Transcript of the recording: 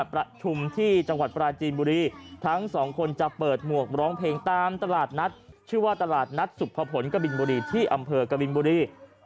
ประชุมที่จังหวัดปลาจีนบุรี